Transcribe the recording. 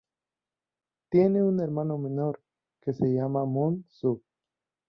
Tiene un hermano menor que se llama Moon-soo.